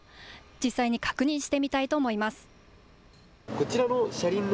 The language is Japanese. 実際に確認してみたいと思います。